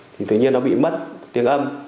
thì tự nhiên nó bị mất tiếng âm